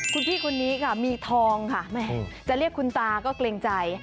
คุณพี่คนนี้ค่ะมีทองค่ะจะเรียกคุณตาก็เกรงใจ